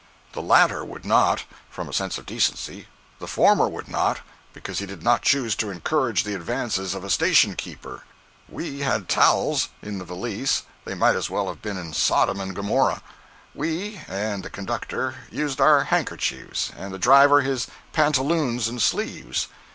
The latter would not, from a sense of decency; the former would not, because he did not choose to encourage the advances of a station keeper. We had towels—in the valise; they might as well have been in Sodom and Gomorrah. We (and the conductor) used our handkerchiefs, and the driver his pantaloons and sleeves.